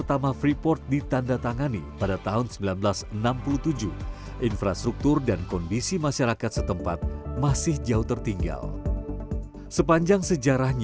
amiinyah mas wedding ceremony